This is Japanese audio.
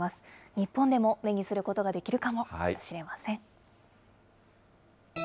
日本でも目にすることができるかもしれません。